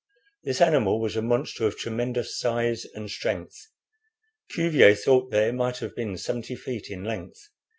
This animal was a monster of tremendous size and strength. Cuvier thought that it might have been seventy feet in length.